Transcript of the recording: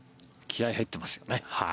気合が入っていますよね。